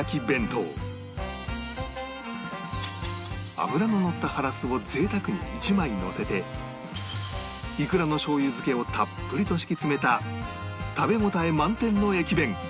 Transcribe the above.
脂ののったハラスを贅沢に１枚のせてイクラのしょう油漬けをたっぷりと敷き詰めた食べ応え満点の駅弁